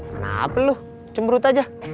kenapa lu cemberut aja